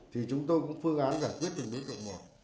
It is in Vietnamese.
thì chúng tôi cũng phương án giải quyết từng đối tượng một